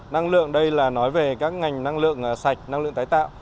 năng lượng đây là nói về các ngành năng lượng sạch năng lượng tái tạo